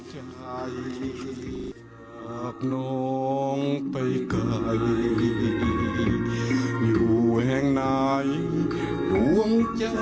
ห่วงเธอเหมือนดั่งดวงใจ